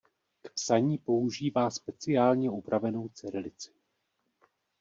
K psaní používá speciálně upravenou cyrilici.